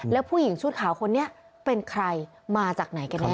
แล้วผู้หญิงชุดขาวคนนี้เป็นใครมาจากไหนกันแน่